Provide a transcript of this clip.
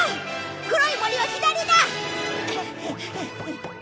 黒い森を左だ！